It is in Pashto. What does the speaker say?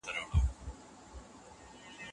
تجارانو د خیرات او مرستي کارونه هم کول.